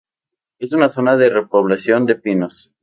Es una zona de repoblación de pinos.